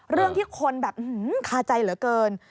เรื่องที่คนแบบคาใจเหลือเกิน